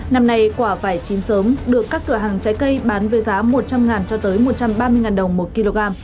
năm nay quả vải chín sớm được các cửa hàng trái cây bán với giá một trăm linh cho tới một trăm ba mươi đồng một kg